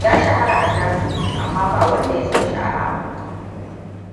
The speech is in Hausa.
Ya shahara a Germany, amma ba wanda ya sanshi a Amurka.